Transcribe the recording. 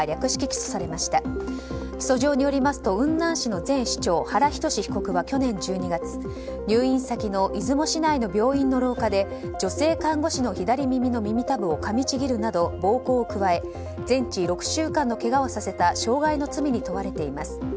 訴状によりますと雲南市の前市長・原仁史被告は去年１２月入院先の出雲市内の病院の廊下で女性看護師の左耳の耳たぶをかみちぎるなど暴行を加え全治６週間のけがをさせた傷害の罪に問われています。